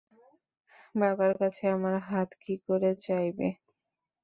বাবার কাছে আমার হাত কী করে চাইবে?